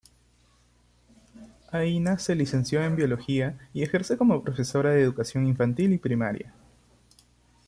Aina se licenció en Biología y ejerce como profesora de educación infantil y primaria.